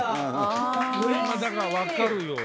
だから分かるよ。